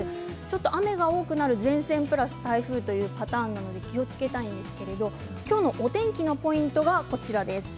雨が多くなる前線プラス台風というパターンなので気をつけたいんですけど今日のお天気のポイントがこちらです。